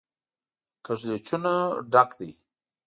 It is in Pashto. کږلېچونو ډک دی.